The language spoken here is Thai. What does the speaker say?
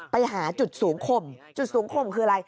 ไปหาจุดสูงคมจุดสูงคมคืออะไร